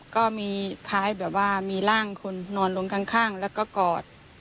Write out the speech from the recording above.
ก็มีท้ายแบบว่ามีร่างคนนอนลงข้างแล้วก็กอด